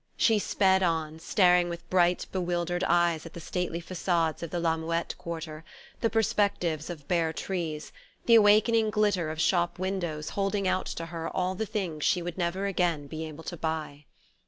She sped on, staring with bright bewildered eyes at the stately facades of the La Muette quarter, the perspectives of bare trees, the awakening glitter of shop windows holding out to her all the things she would never again be able to buy....